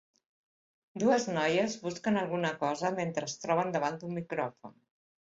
Dues noies busquen alguna cosa mentre es troben davant d'un micròfon.